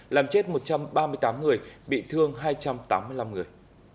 làm chết một trăm ba mươi tám người bị thương hai trăm tám mươi năm người